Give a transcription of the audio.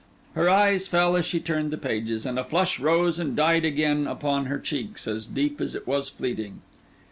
Her eyes fell as she turned the pages, and a flush rose and died again upon her cheeks, as deep as it was fleeting.